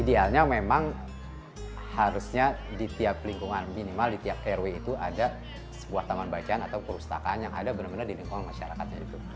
idealnya memang harusnya di tiap lingkungan minimal di tiap rw itu ada sebuah taman bacaan atau perpustakaan yang ada benar benar di lingkungan masyarakatnya itu